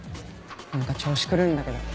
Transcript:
何か調子狂うんだけど。